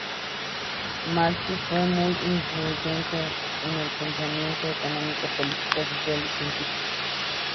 Malthus fue muy influyente en el pensamiento económico, político, social y científico.